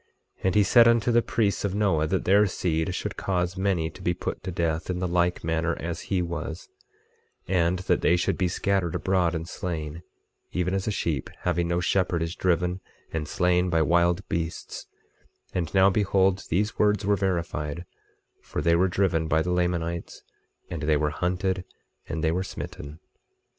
25:12 And he said unto the priests of Noah that their seed should cause many to be put to death, in the like manner as he was, and that they should be scattered abroad and slain, even as a sheep having no shepherd is driven and slain by wild beasts; and now behold, these words were verified, for they were driven by the Lamanites, and they were hunted, and they were smitten.